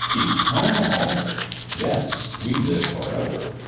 "Eternal!" "Yes; we live forever.